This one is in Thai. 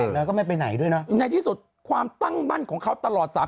แล้วก็ไม่ไปไหนด้วยนะในที่สุดความตั้งมั่นของเขาตลอดสาม